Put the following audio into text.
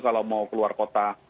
kalau mau keluar kota